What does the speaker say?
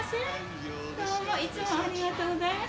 どうもいつもありがとうございます。